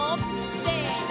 せの！